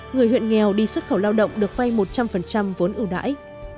người huyện nghèo đi xuất khẩu lao động được vay một trăm linh vốn ưu đãi